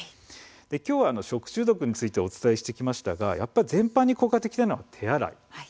今日は食中毒についてお伝えしてきましたが全般的に効果的なのは手洗いです。